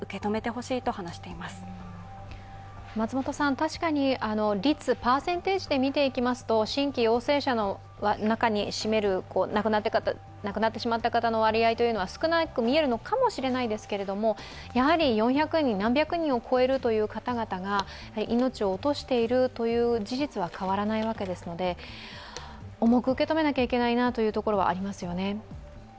確かに率、パーセンテージでみていきますと新規陽性者に占める亡くなってしまった方の割合は少なく見えるのかもしれないですが、やはり４００人、何百人を超えるという方々が命を落としているという事実は変わらないわけですので重く受け止めないといけないことはありますよね？